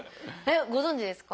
ご存じですか？